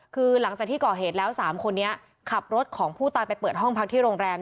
คือหลังจากที่ก่อเหตุแล้ว๓คนนี้ขับรถของผู้ตายไปเปิดห้องพักที่โรงแรม